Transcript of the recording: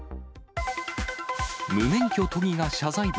無免許都議が謝罪文。